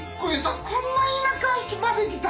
こんな田舎まで来た！